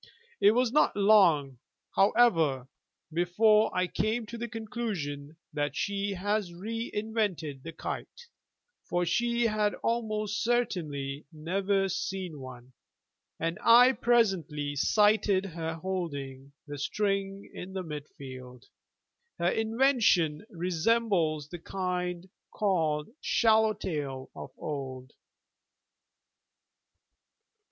It was not long, however, before I came to the conclusion that she has re invented the kite for she had almost certainly never seen one and I presently sighted her holding the string in the midfield. Her invention resembles the kind called 'swallow tail' of old.